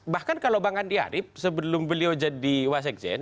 bahkan kalau bang andi arief sebelum beliau jadi wasekjen